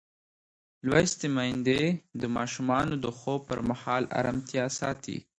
لوستې میندې د ماشومانو د خوب پر مهال ارامتیا ساتي.